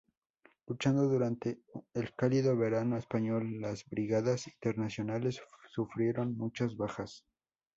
Luchando durante el cálido verano español, las Brigadas Internacionales sufrieron muchas bajas.